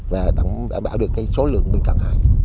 và đảm bảo được cái số lượng mình cần hái